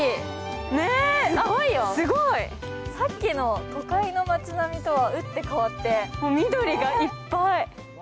さっきの都会の町並みとはうって変わって緑がいっぱい。